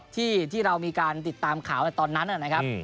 ที่เรามีการติดตามข่าวในตอนนั้นนะครับ